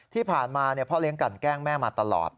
ที่ผ่านมาพ่อเลี้ยงกันแกล้งแม่มาตลอด